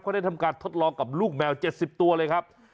เขาได้ทำการทดลองกับลูกแมว๗๐ตัวเลยครับ